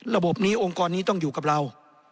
ระบบนี้องค์กรนี้ต้องอยู่กับเรา